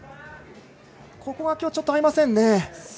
ここがきょうちょっと合いませんね。